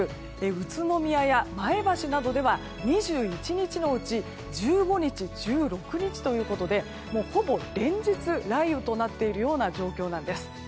宇都宮や前橋などでは２１日のうち１５日、１６日ということでほぼ連日、雷雨となっているような状況なんです。